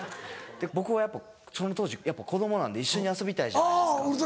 僕はやっぱその当時子供なんで一緒に遊びたいじゃないですか。